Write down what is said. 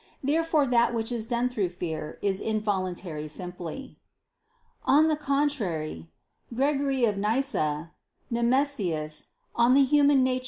Therefore that which is done through fear, is involuntary simply. On the contrary, Gregory of Nyssa [*Nemesius, De Nat. Hom. xxx.